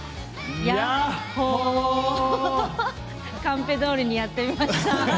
やっほ！カンペどおりにやってみました。